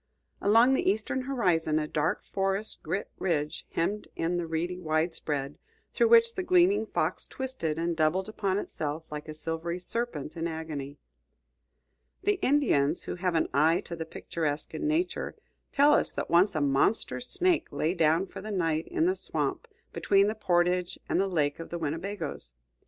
Along the eastern horizon a dark forest girt ridge hemmed in the reedy widespread, through which the gleaming Fox twisted and doubled upon itself like a silvery serpent in agony. The Indians, who have an eye to the picturesque in Nature, tell us that once a monster snake lay down for the night in the swamp between the portage and the lake of the Winnebagoes.